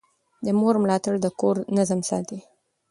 د مور ملاتړ د کور نظم ساتي.